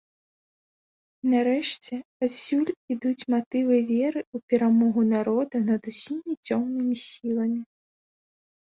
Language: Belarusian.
І, нарэшце, адсюль ідуць матывы веры ў перамогу народа над усімі цёмнымі сіламі.